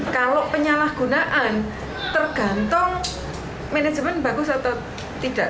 kalau penyalahgunaan tergantung manajemen bagus atau tidak